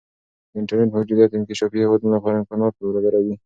د انټرنیټ موجودیت د انکشافي هیوادونو لپاره امکانات برابروي.